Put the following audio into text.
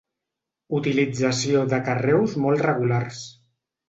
Utilització de carreus molt regulars.